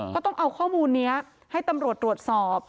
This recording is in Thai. ก็ต้องเอาข้อมูลนี้ให้ตำรวจตรวจสอบ